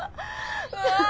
うわ。